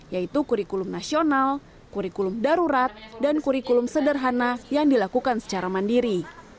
yaitu kurikulum nasional kurikulum darurat dan kurikulum sederhana yang dilakukan secara mandiri